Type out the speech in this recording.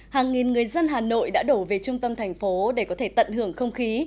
hàng nghìn người dân hà nội đã đổ về trung tâm thành phố để có thể tận hưởng không khí